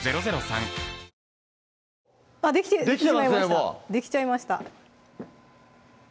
もうできちゃいました